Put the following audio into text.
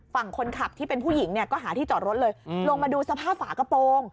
ฝั่งคนขับที่เป็นผู้หญิงเนี่ยก็หาที่จอดรถเลยลงมาดูสภาพฝากระโปรง